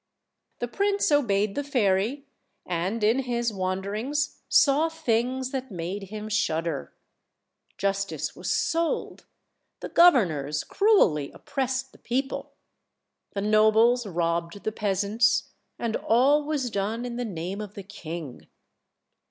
The prince obeyed the fairy, and in his wanderings saw things that made him shudder. Justice was sold; the governors cruelly oppressed the people; the nobles robbed the peasants, and all was done in the name of the king!